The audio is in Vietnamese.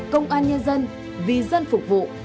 công an nhân dân vì dân phục vụ